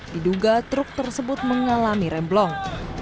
diduga truk tersebut mengalami remblong